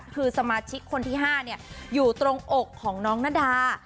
คือสมาชิกคนที่๕อยู่ตรงอกของน้องนาดา